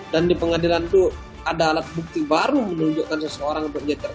dan di pengadilan itu ada alat bukti baru menunjukkan seseorang untuk jajar tangga